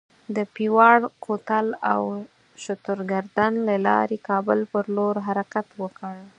د پیواړ کوتل او شترګردن له لارې کابل پر لور حرکت وکړ.